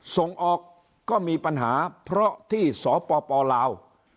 ส่งออกก็มีปัญหาเพราะที่สปลาว